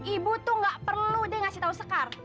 ibu tuh gak perlu deh ngasih tahu sekar